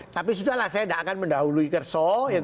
tapi sudah lah saya tidak akan mendahului kerso